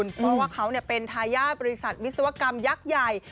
เพราะว่าเขาเป็นทายาทบริษัทวิศวกรรมยักษ์ใหญ่